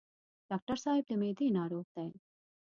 ډاکټر صاحب د معدې ناروغ دی.